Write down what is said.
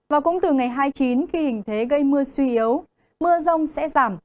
và cũng từ ngày hai mươi chín khi hình thế gây mưa suy yếu mưa rông sẽ giảm